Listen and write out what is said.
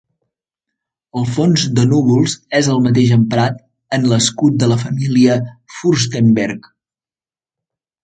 El fons de núvols és el mateix emprat en l'escut de la família Fürstenberg.